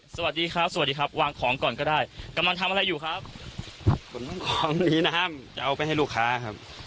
สวัสดีครับสวัสดีครับวางของก่อนก็ได้กำลังทำอะไรอยู่ครับขนของหนีน้ำจะเอาไปให้ลูกค้าครับ